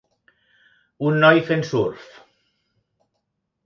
Un noi fent surf.